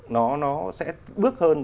nó sẽ bước hơn